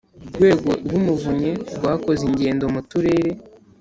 Urwego rw’Umuvunyi rwakoze ingendo mu turere